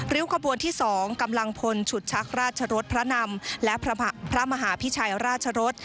ขบวนที่๒กำลังพลฉุดชักราชรสพระนำและพระมหาพิชัยราชรส